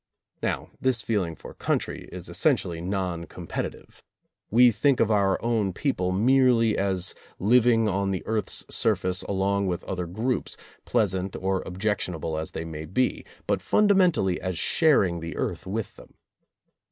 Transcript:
Now this feeling for country is essentially non competitive ; we think of our own people merely as living on the earth's surface along with other groups, pleasant or objectionable as they may be, but fundamentally as sharing the earth with them.